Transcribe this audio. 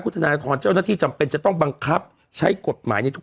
คุณธนทรเจ้าหน้าที่จำเป็นจะต้องบังคับใช้กฎหมายในทุก